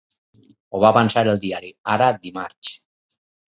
Ho va avançar el diari Ara dimarts.